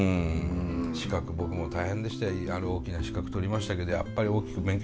資格僕も大変でしたよある大きな資格取りましたけどやっぱり大きく勉強しますからね。